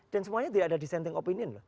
dan semuanya tidak ada dissenting opinion